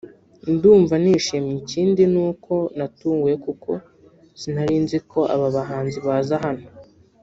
ndumva nishimye ikindi ni uko natunguwe kuko sinarinziko aba bahanzi baza ahano”